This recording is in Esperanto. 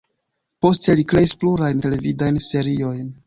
Poste li kreis pluraj televidajn seriojn.